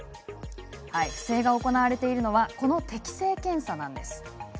不正が行われているのはこの適正検査です。